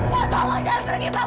mas allah jangan pergi bunga